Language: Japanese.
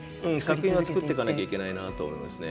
作品は作っていかなければいけないと思いますね。